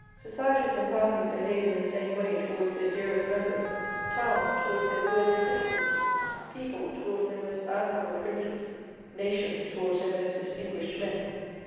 Societies, and families behave in the same way towards their dearest members, towns towards their worthiest citizens, people towards their most admi rable princes, nations towards their most distinguished men.